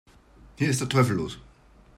Hier ist der Teufel los!